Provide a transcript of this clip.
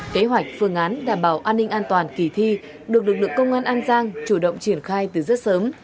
kế hoạch phương án đảm bảo an ninh an toàn kỳ thi được lực lượng công an an giang chủ động triển khai từ rất sớm